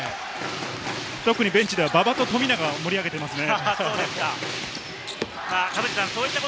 ベンチでは馬場と富永が盛り上げてますね。